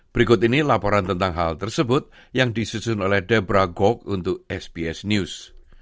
berikut ini laporan tentang hal tersebut yang disusun oleh deborah gouk untuk sbs news